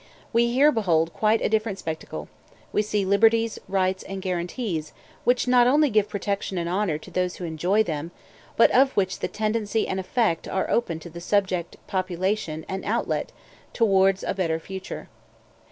We here behold quite a different spectacle; we see liberties, rights, and guarantees, which not only give protection and honor to those who enjoy them, but of which the tendency and effect are to open to the subject population an outlet towards a better future.